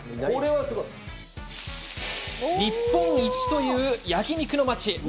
日本一という焼肉のまち。